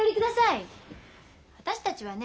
私たちはね